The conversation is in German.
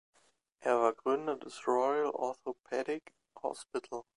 Er war Gründer des "Royal Orthopaedic Hospital".